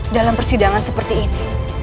dalam persidangan seperti ini